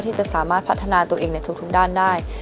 ที่จะสามารถพัฒนาตัวเองในทุกด้านได้